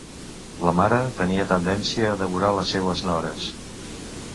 La mare tenia tendència a devorar les seues nores!